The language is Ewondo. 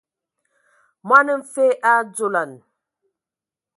Mɔn mfǝ a dzolan.